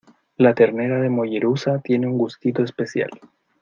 La ternera de Mollerussa tiene un gustito especial.